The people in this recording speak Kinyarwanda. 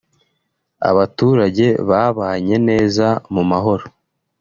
abaturage babanye neza mu mahoro